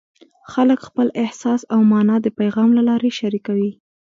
خلک خپل احساس او مانا د پیغام له لارې شریکوي.